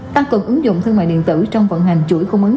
tăng cường ứng dụng thương mại điện tử trong vận hành chuỗi cung ứng